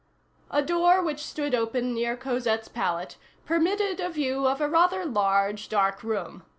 A door which stood open near Cosette's pallet permitted a view of a rather large, dark room.